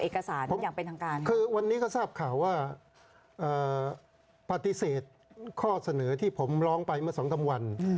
คือวันนี้ก็ทราบข่าวว่าปฏิเสธข้อเสนอที่ผมล้องไปเมื่อสองทั้งวัน